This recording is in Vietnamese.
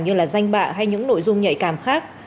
như là danh bạ hay những nội dung nhạy cảm khác